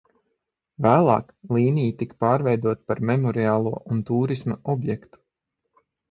Vēlāk līnija tika pārveidota par memoriālo un tūrisma objektu.